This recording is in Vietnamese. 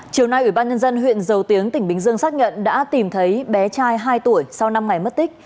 chiều nay ủy ban nhân dân huyện dầu tiếng tỉnh bình dương xác nhận đã tìm thấy bé trai hai tuổi sau năm ngày mất tích